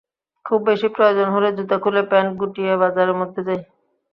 খুব বেশি প্রয়োজন হলে জুতা খুলে প্যান্ট গুটিয়ে বাজারের মধ্যে যাই।